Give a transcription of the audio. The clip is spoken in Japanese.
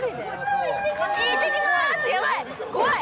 怖い！